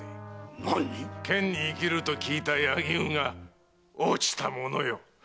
何⁉「剣に生きる」と聞いた柳生が堕ちたものよ。